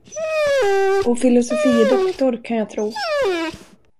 Och filosofie doktor, kan jag tro.